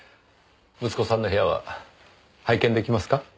息子さんの部屋は拝見出来ますか？